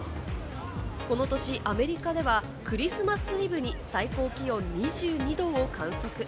この年、アメリカではクリスマスイブに最高気温２２度を観測。